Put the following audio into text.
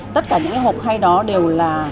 tất cả những hộp khay đó đều là